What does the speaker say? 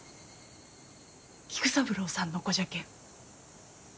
菊三郎さんの子じゃけん。